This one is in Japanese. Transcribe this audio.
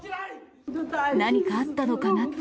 何かあったのかなって